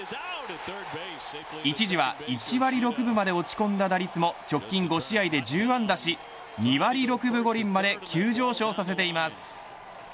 一時は１割６分まで落ち込んだ打率も直近５試合で１０安打し２割６分５厘まで急上昇させています。